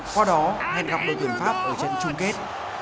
qua đó hẹn gặp đội tuyển pháp ở trận chung kết